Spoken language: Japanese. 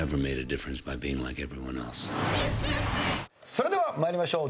それでは参りましょう。